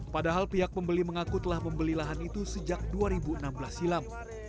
padahal pihak pembeli mengaku telah membeli lahan itu sejak dua ribu enam belas silam